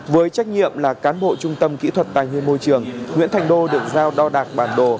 với trách nhiệm là cán bộ trung tâm kỹ thuật tài nguyên môi trường nguyễn thành đô được giao đo đạc bản đồ